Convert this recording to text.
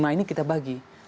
lima ini kita bagi